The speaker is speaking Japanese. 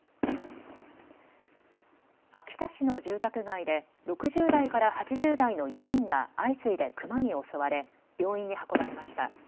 秋田市の住宅街で６０代から８０代の４人が相次いでクマに襲われ病院に運ばれました。